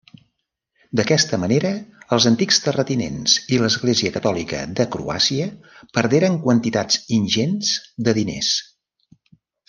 D'aquesta manera, els antics terratinents i l'Església Catòlica de Croàcia perderen quantitats ingents de diners.